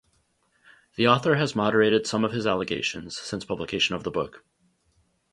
The author has moderated some of his allegations, since publication of the book.